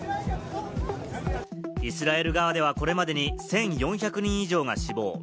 イスラエル側では、これまでに１４００人以上が死亡。